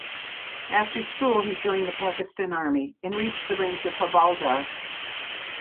After school he joined the Pakistan Army, and reached the rank of Havaldar.